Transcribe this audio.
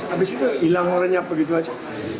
habis itu hilang orangnya begitu saja